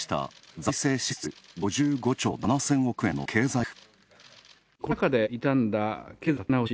財政支出、５５兆７０００億円の経済対策。